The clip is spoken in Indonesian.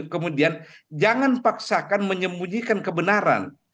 kemudian jangan paksakan menyembunyikan kebenaran